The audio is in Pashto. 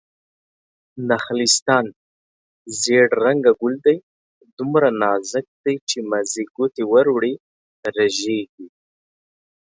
نخلستان: زيړ رنګه ګل دی، دومره نازک دی چې مازې ګوتې ور وړې رژيږي